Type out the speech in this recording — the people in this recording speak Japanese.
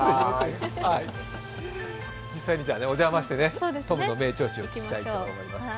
実際にお邪魔してトムの名調子を聴きたいと思います。